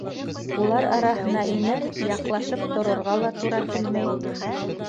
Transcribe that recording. Улар араһына инеп, яҡлашып торорға ла тура килмәй.